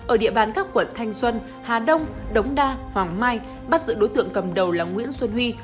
ở địa bàn các quận thanh xuân hà đông đống đa hoàng mai bắt giữ đối tượng cầm đầu là nguyễn xuân huy